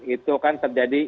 itu kan terjadi